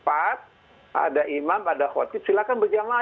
ada imam ada khotib silakan berjamaah